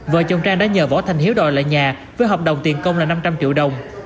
vợ chồng trang đã nhờ võ thành hiếu đòi lại nhà với hợp đồng tiền công là năm trăm linh triệu đồng